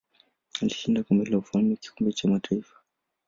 Alishinda Kombe la Mfalme kikombe cha kitaifa.